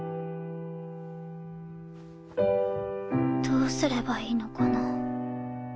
どうすればいいのかな